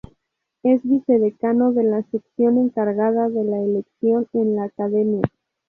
Es vicedecano de la sección encargada de la elección en la Academia.